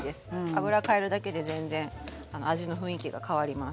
油変えるだけで全然味の雰囲気が変わります。